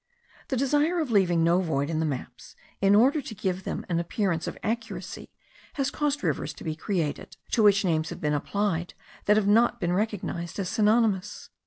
The desire of leaving no void in the maps, in order to give them an appearance of accuracy, has caused rivers to be created, to which names have been applied that have not been recognized as synonymous.